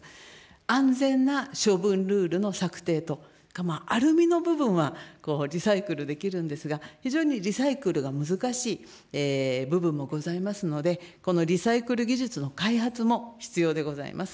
安全な処分ルールの策定と、アルミの部分はリサイクルできるんですが、非常にリサイクルが難しい部分もございますので、このリサイクル技術の開発も必要でございます。